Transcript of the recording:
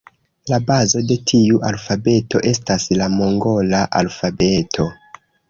La bazo de tiu alfabeto estas la mongola alfabeto.